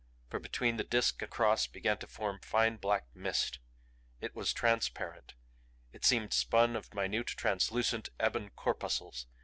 For between the Disk and Cross began to form fine black mist. It was transparent. It seemed spun of minute translucent ebon corpuscles.